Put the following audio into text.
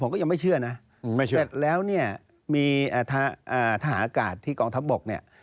ผมก็ยังไม่เชื่อนะอืมไม่เชื่อแล้วเนี่ยมีเอ่อทหารอากาศที่กองทัพบกเนี่ย